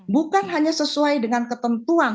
bukan hanya sesuai dengan ketentuan